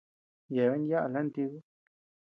Yeabean yaʼa lantíku.